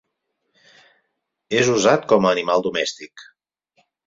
És usat com a animal domèstic.